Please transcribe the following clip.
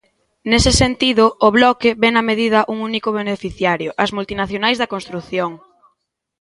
Nese sentido, o Bloque ve na medida un único beneficiario: "as multinacionais da construción".